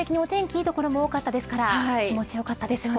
いい所も多かったですから気持ち良かったですよね。